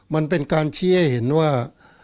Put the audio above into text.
มันเป็นการชี้ให้เห็นว่า